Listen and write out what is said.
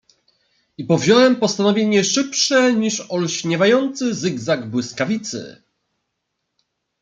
"I powziąłem postanowienie szybsze niż olśniewający zygzak błyskawicy."